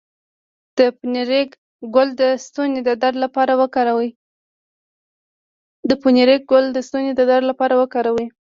د پنیرک ګل د ستوني د درد لپاره وکاروئ